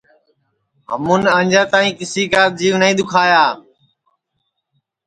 ہمون انجے تائی کسی کا جیو نائی دُؔکھایا